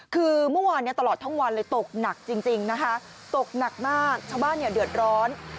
คือเมื่อวานตลอดทั้งวันเลยตกหนักจริงนะคะตกหนักมากชาวบ้านเนี่ยเดือดร้อน